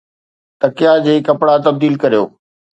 تکيا جي ڪپڙا تبديل ڪريو